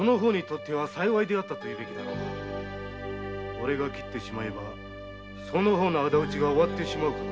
俺が斬ってしまえばその方の仇討ちが終わってしまうからな。